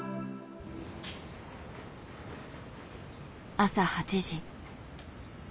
朝８時。